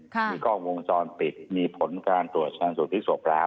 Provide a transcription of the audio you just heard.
มีกล้องวงจรปิดมีผลการตรวจชนะสูตรพลิกศพแล้ว